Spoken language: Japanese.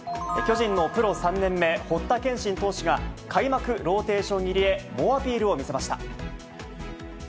巨人のプロ３年目、堀田賢慎投手が開幕ローテーション入りへ猛アピールを見せました。